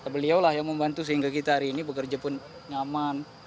beliau lah yang membantu sehingga kita hari ini bekerja pun nyaman